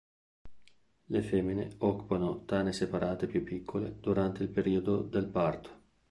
Le femmine occupano tane separate più piccole durante il periodo del parto.